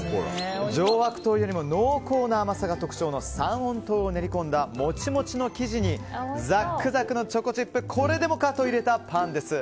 上白糖よりも濃厚な甘さが特徴の三温糖を練り込んだモチモチの生地にザクザクのチョコチップをこれでもかと入れたパンです。